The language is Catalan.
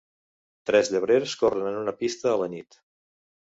Tres llebrers corren en una pista a la nit.